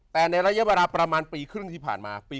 แต่ในระยะเวลาประมาณปีครึ่งที่ผ่านมา